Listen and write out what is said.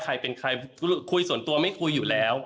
คนเลยคุยส่วนตัวไม่คุยอยู่แล้ว